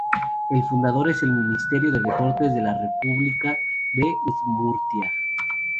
El fundador es el Ministerio de Deportes de la República de Udmurtia.